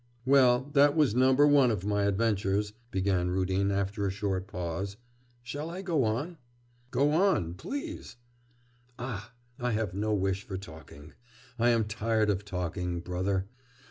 'Well, that was number one of my adventures,' began Rudin, after a short pause. 'Shall I go on?' 'Go on, please.' 'Ah! I have no wish for talking. I am tired of talking, brother....